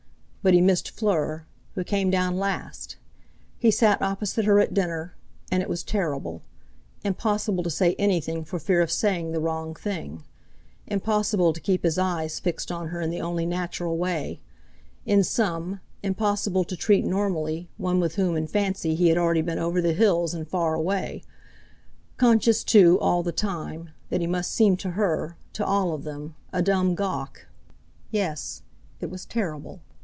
But he missed Fleur, who came down last. He sat opposite her at dinner, and it was terrible—impossible to say anything for fear of saying the wrong thing, impossible to keep his eyes fixed on her in the only natural way; in sum, impossible to treat normally one with whom in fancy he had already been over the hills and far away; conscious, too, all the time, that he must seem to her, to all of them, a dumb gawk. Yes, it was terrible!